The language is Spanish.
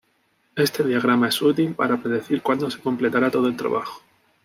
Este diagrama es útil para predecir cuándo se completará todo el trabajo.